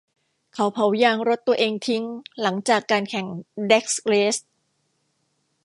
เขาเผายางรถตัวเองทิ้งหลังจากการแข่งแดร๊กเรซ